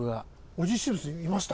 オジー・スミスいました？